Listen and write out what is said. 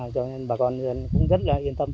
cho nên bà con cũng rất là yên tâm